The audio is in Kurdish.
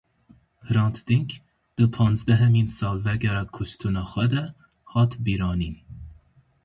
Hrant Dînk di panzdehemîn salvegera kuştina xwe de hat bîranîn.